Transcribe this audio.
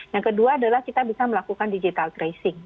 yang kedua adalah kita bisa melakukan digital tracing